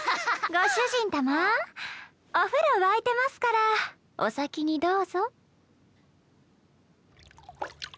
ご主人たまお風呂沸いてますからお先にどうぞ。